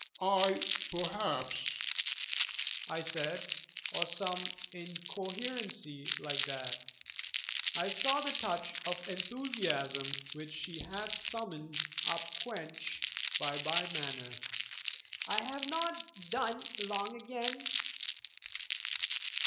'I perhaps ' I said, or some incoherency like that. I saw the touch of enthusiasm which she had summoned up quenched by my manner. 'I have not done long again?'